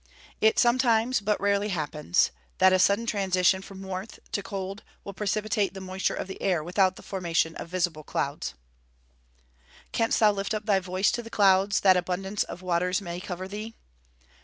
_ It sometimes, but rarely happens, that a sudden transition from warmth to cold will precipitate the moisture of the air, without the formation of visible clouds. [Verse: "Canst thou lift up thy voice to the clouds, that abundance of waters may cover thee?"